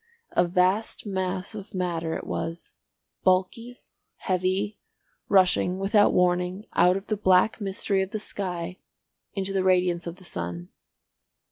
A vast mass of matter it was, bulky, heavy, rushing without warning out of the black mystery of the sky into the radiance of the sun.